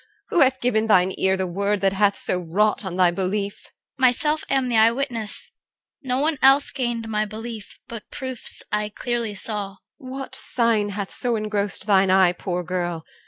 Who hath given thine ear The word that so hath wrought on thy belief? CHR. Myself am the eyewitness, no one else Gained my belief, but proofs I clearly saw. EL. What sign hath so engrossed thine eye, poor girl?